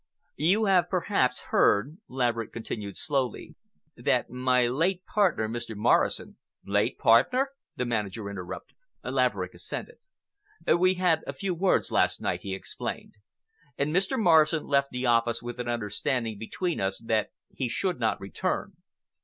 "You have perhaps heard," Laverick continued slowly, "that my late partner, Mr. Morrison,—" "Late partner?" the manager interrupted. Laverick assented. "We had a few words last night," he explained "and Mr. Morrison left the office with an understanding between us that he should not return.